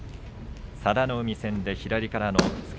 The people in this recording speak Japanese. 佐田の海戦で左からの押っつけ